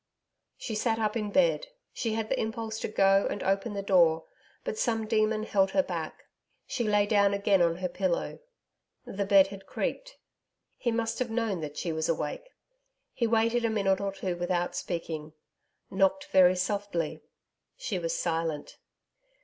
She sat up in bed; she had the impulse to go and open the door, but some demon held her back. She lay down again on her pillow.... The bed had creaked.... He must have known that she was awake.... He waited a minute or two without speaking ... knocked very softly.... She was silent....